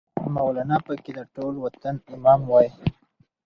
مولانا پکې د ټول وطن امام وای